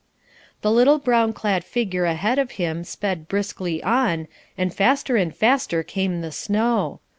The little brown clad figure ahead of him sped briskly on, and faster and faster came the snow.